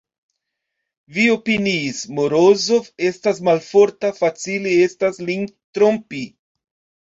Vi opiniis: Morozov estas malforta, facile estas lin trompi!